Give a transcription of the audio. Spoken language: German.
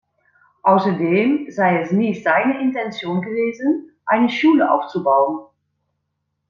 Außerdem sei es nie seine Intention gewesen, eine Schule aufzubauen.